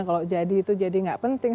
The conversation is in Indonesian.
kalau jadi itu jadi nggak penting